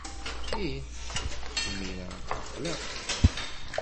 Ih, imir-a ɛeqleɣ-k!